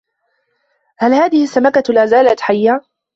هل هذه السمكة لازالت حيّه ؟